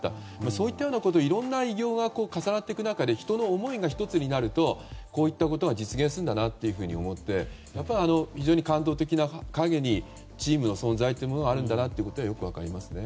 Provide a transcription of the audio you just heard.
そういったことでいろんな偉業が重なっていく中で人の思いが１つになるとこういったことが実現するんだなと思ってやっぱり、非常に感動的なものの陰にチームの存在があるんだなとよく分かりますね。